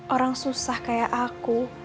orang susah kayak aku